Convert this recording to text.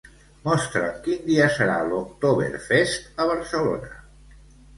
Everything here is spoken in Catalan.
Mostra'm quin dia serà l'"Oktoberfest" a Barcelona.